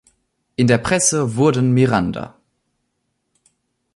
In der Presse wurden Miranda!